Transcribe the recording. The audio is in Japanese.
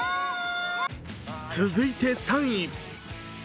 続いて３位。